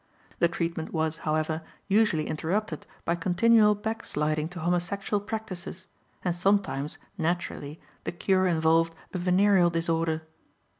The treatment was, however, usually interrupted by continual backsliding to homosexual practices, and sometimes, naturally, the cure involved a venereal disorder.